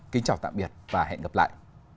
kính chào tạm biệt và hẹn gặp lại